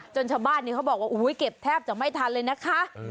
ชาวบ้านนี้เขาบอกว่าเก็บแทบจะไม่ทันเลยนะคะ